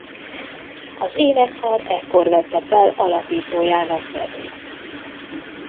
Az énekkar ekkor vette fel alapítójának nevét.